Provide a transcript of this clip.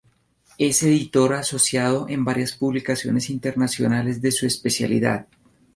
Es editor asociado en varias publicaciones internacionales de su especialidad.